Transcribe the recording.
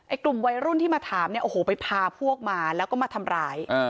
กลุ่มวัยรุ่นที่มาถามเนี่ยโอ้โหไปพาพวกมาแล้วก็มาทำร้าย